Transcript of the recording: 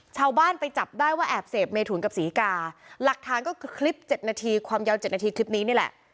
ชาวบ้านไปจับได้ว่าแอบเสพเมถุนกับศรีกาหลักฐานก็คือคลิป๗นาทีความยาว๗นาทีคลิปนี้นี่แหละ